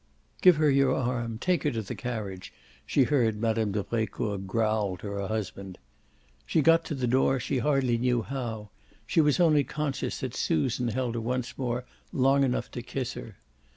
"Give her your arm take her to the carriage," she heard Mme. de Brecourt growl to her husband. She got to the door she hardly knew how she was only conscious that Susan held her once more long enough to kiss her.